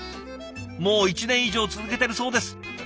もう１年以上続けてるそうです。